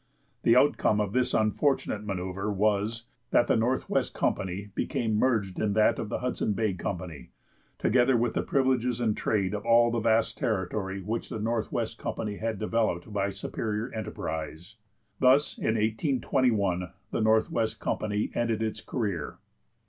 The outcome of this unfortunate manœuvre was, that the Northwest Company became merged in that of the Hudson Bay Company, together with the privileges and trade of all of the vast territory which the Northwest Company had developed by superior enterprise. Thus, in 1821, the Northwest Company ended its career.